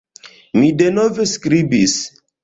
Mi denove skribis.